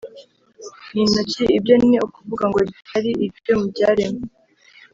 n intoki Ibyo ni ukuvuga ngo ritari iryo mu byaremwe